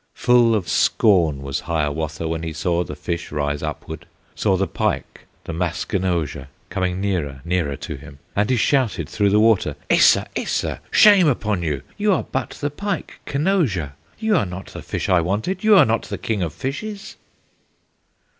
Full of scorn was Hiawatha When he saw the fish rise upward, Saw the pike, the Maskenozha, Coming nearer, nearer to him, And he shouted through the water, "Esa! esa! shame upon you! You are but the pike, Kenozha, You are not the fish I wanted, You are not the King of Fishes!"